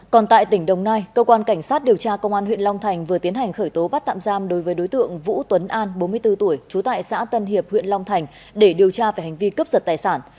còn tại tỉnh đồng nai cơ quan cảnh sát điều tra công an huyện long thành vừa tiến hành khởi tố bắt tạm giam đối với đối tượng vũ tuấn an bốn mươi bốn tuổi trú tại xã tân hiệp huyện long thành để điều tra về hành vi cướp giật tài sản